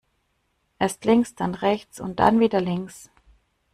Erst links, dann rechts und dann wieder links.